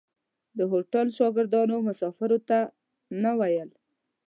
د هوټلو شاګردانو مسافرو ته نه ویل.